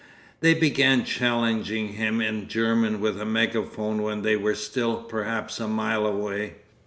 They began challenging him in German with a megaphone when they were still perhaps a mile away.